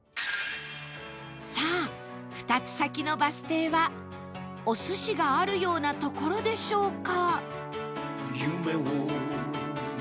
さあ２つ先のバス停はお寿司があるような所でしょうか？